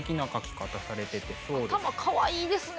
頭かわいいですね。